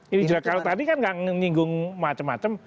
ini juga kalau tadi kan nggak nginggung macem macem